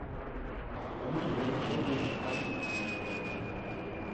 Honetan ere Orio nagusitu zen.